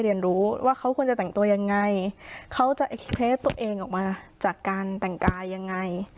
เรียนรู้ว่าเขาควรจะแต่งตัวยังไงเขาจะเคลสตัวเองออกมาจากการแต่งกายยังไง